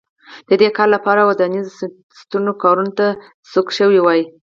د دې کار لپاره ودانیزو ستنو کارونو ته سوق شوي وای